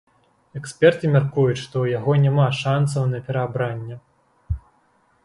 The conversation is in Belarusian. Эксперты мяркуюць, што ў яго няма шанцаў на пераабранне.